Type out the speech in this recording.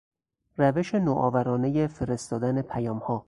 روش نوآورانهی فرستادن پیامها